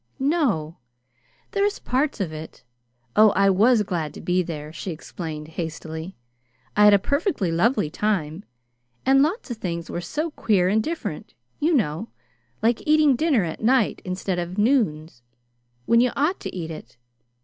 "No. There's parts of it Oh, I was glad to be there," she explained hastily. "I had a perfectly lovely time, and lots of things were so queer and different, you know like eating dinner at night instead of noons, when you ought to eat it.